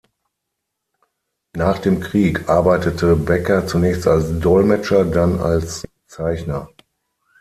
Nach dem Krieg arbeitete Becker zunächst als Dolmetscher, dann als Zeichner.